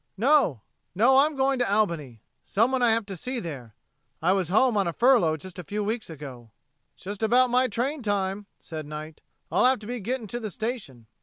"No no, I'm going to Albany. Someone I have to see there. I was home on a furlough just a few weeks ago." "It's just about my train time," said Knight. "I'll have to be getting to the station."